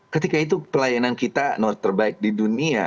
ketika itu pelayanan kita nomor terbaik di dunia